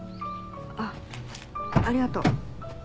あっありがとう。